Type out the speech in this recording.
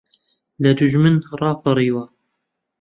لە دوژمن ڕاپەڕیوە